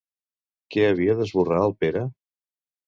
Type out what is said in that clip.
Què havia d'esborrar el Pere?